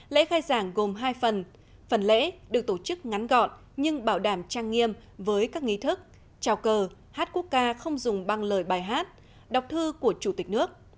lễ khai giảng gồm hai phần phần lễ được tổ chức ngắn gọn nhưng bảo đảm trang nghiêm với các nghi thức trào cờ hát quốc ca không dùng băng lời bài hát đọc thư của chủ tịch nước